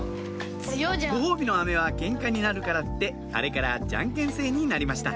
ご褒美のアメはケンカになるからってあれからじゃんけん制になりました